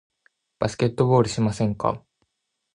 バスケットボールしませんか？